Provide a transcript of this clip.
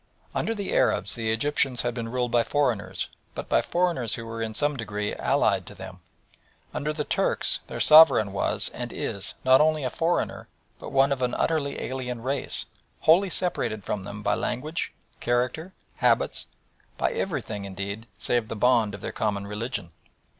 Under the Arabs the Egyptians had been ruled by foreigners, but by foreigners who were in some degree allied to them. Under the Turks their sovereign was, and is, not only a foreigner, but one of an utterly alien race, wholly separated from them by language, character, habits, by everything, indeed, save the bond of their common religion.